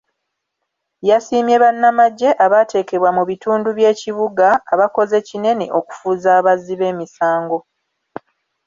Yasiimye bannamagye abaateekebwa mu bitundu by’ekibuga abakoze kinene okufuuza abazzi b’emisango.